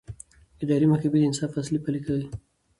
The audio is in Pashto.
اداري محکمې د انصاف اصل پلي کوي.